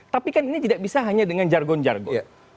tapi kan ini tidak bisa hanya dengan jargon jargon